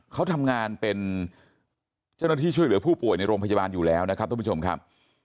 เขาทำงานเป็นเจ้าหน้าที่ช่วยเหลือผู้ป่วยในโรงพยาบาลอยู่แล้วนะครับท่านผู้ชมครับ